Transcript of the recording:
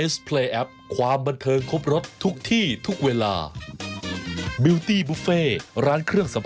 นะฮะเดี๋ยวกลับมาครับ